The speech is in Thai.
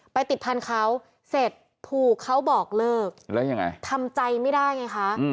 ไปติดพันธุ์เขาเสร็จถูกเขาบอกเลิกแล้วยังไงทำใจไม่ได้ไงคะ